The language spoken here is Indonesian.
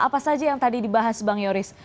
apa saja yang tadi dibahas bang yoris